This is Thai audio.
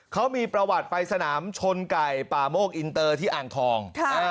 เขามีประวัติไปสนามชนไก่ป่าโมกอินเตอร์ที่อ่างทอง